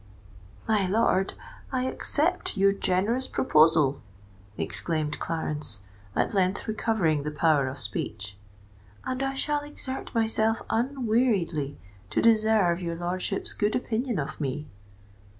"My lord, I accept your generous proposal," exclaimed Clarence, at length recovering the power of speech; "and I shall exert myself unweariedly to deserve your lordship's good opinion of me."